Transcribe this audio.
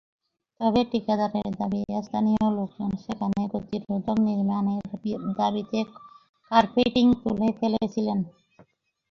তবে ঠিকাদারের দাবি, স্থানীয় লোকজন সেখানে গতিরোধক নির্মাণের দাবিতে কার্পেটিং তুলে ফেলেছিলেন।